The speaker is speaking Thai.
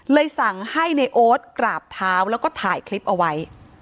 สั่งให้ในโอ๊ตกราบเท้าแล้วก็ถ่ายคลิปเอาไว้